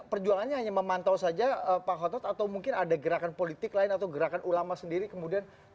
perjuangannya hanya memantau saja pak khotot atau mungkin ada gerakan politik lain atau gerakan ulama sendiri kemudian